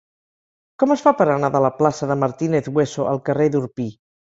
Com es fa per anar de la plaça de Martínez Hueso al carrer d'Orpí?